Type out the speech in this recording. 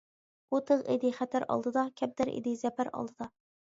ئۇ تىغ ئىدى خەتەر ئالدىدا، كەمتەر ئىدى زەپەر ئالدىدا.